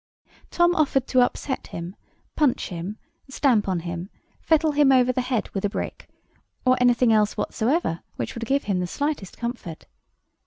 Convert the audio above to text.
Tom offered to upset him, punch him, stamp on him, fettle him over the head with a brick, or anything else whatsoever which would give him the slightest comfort.